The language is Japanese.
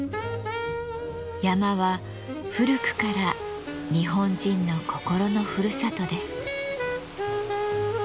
山は古くから日本人の心のふるさとです。